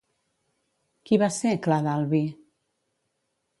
Qui va ser Clar d'Albi?